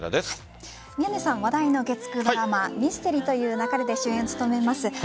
宮根さん話題の月９ドラマ「ミステリと言う勿れ」で主演を務めます